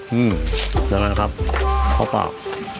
อืมดังนั้นครับเข้าปาก